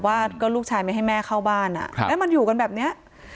ว่าก็ลูกชายไม่ให้แม่เข้าบ้านแล้วมันอยู่กันแบบนี้